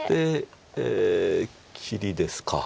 え切りですか。